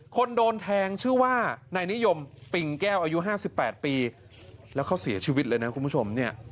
คนโดนแทงชื่อว่านายนิยมปิงแก้วอายุ๕๘ปีแล้วเขาเสียชีวิตเลยนะคุณผู้ชมเนี่ย